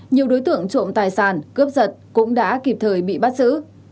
nhiều đối tượng trộm tài sản cướp giật cũng đã kịp thời bị bắt giữ